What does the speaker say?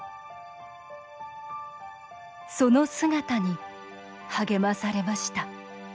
その姿に励まされました。